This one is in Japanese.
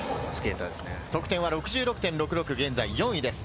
得点は６６．６６、現在４位です。